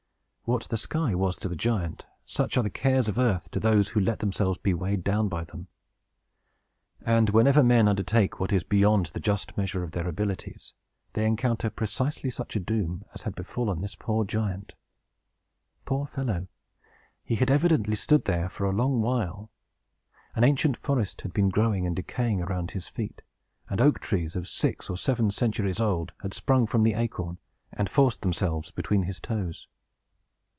What the sky was to the giant, such are the cares of earth to those who let themselves be weighed down by them. And whenever men undertake what is beyond the just measure of their abilities, they encounter precisely such a doom as had befallen this poor giant. Poor fellow! He had evidently stood there a long while. An ancient forest had been growing and decaying around his feet; and oak trees, of six or seven centuries old, had sprung from the acorn, and forced themselves between his toes.